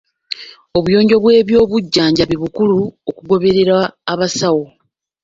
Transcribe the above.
Obuyonjo bw'ebyobujjanjabi bukulu okugobererwa abasawo.